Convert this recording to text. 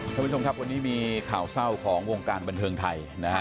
ท่านผู้ชมครับวันนี้มีข่าวเศร้าของวงการบันเทิงไทยนะฮะ